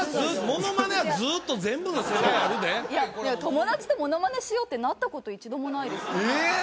モノマネはずっと全部の世代あるでいや友達とモノマネしようってなったこと一度もないですええっ！？